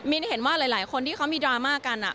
เห็นว่าหลายคนที่เขามีดราม่ากัน